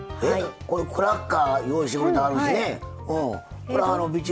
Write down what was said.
これクラッカー用意してくれてはるんですね。